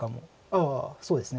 ああそうですね。